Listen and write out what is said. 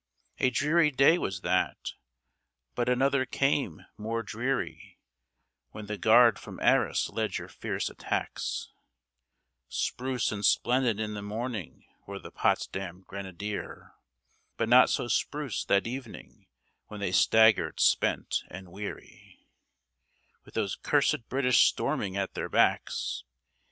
A dreary day was that but another came, more dreary, When the Guard from Arras led your fierce attacks, Spruce and splendid in the morning were the Potsdam Grenadiere, But not so spruce that evening when they staggered spent and weary, With those cursed British storming at their backs.